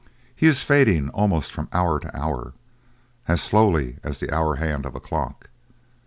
He is fading almost from hour to hour, as slowly as the hour hand of a clock.